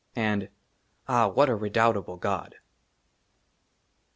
" AND AH, WHAT A REDOUBTABLE GOD